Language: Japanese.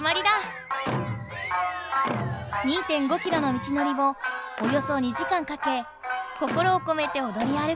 ２．５キロの道のりをおよそ２時間かけ心をこめておどり歩く。